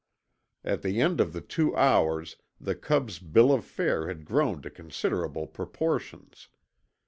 At the end of the two hours the cub's bill of fare had grown to considerable proportions.